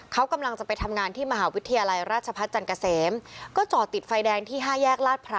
เขากำลังจะไปทำงานที่มหาวิทยาลัยราชพัฒน์จันเกษมก็จอดติดไฟแดงที่ห้าแยกลาดพร้า